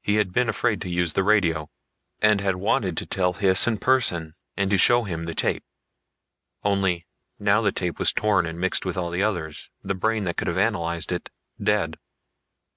He had been afraid to use the radio, and had wanted to tell Hys in person, and to show him the tape. Only now the tape was torn and mixed with all the others, the brain that could have analyzed it dead.